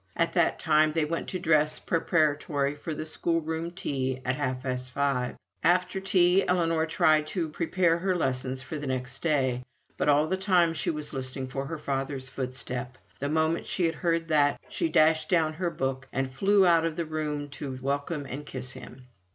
At that time they went to dress preparatory for the schoolroom tea at half past five. After tea Ellinor tried to prepare her lessons for the next day; but all the time she was listening for her father's footstep the moment she heard that, she dashed down her book, and flew out of the room to welcome and kiss him.